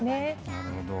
なるほど。